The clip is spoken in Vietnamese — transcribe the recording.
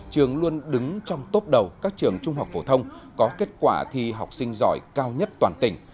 trường luôn đứng trong tốp đầu các trường trung học phổ thông có kết quả thi học sinh giỏi cao nhất toàn tỉnh